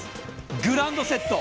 グランドセット。